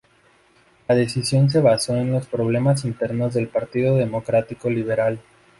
La decisión se basó en los problemas internos del Partido Democrático Liberal.